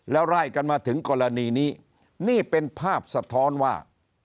แล้วไล่กันมาถึงกรณีนี้นี่เป็นภาพสะท้อนว่า